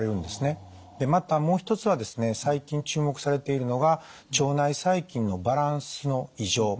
でまたもう一つはですね最近注目されているのが腸内細菌のバランスの異常。